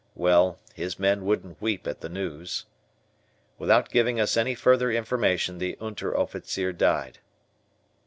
Well, his men wouldn't weep at the news. Without giving us any further information the Unteroffizier died.